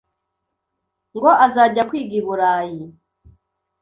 ngo azajya kwiga i Burayi.